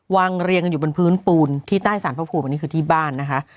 เรียงกันอยู่บนพื้นปูนที่ใต้สารพระภูมิอันนี้คือที่บ้านนะคะ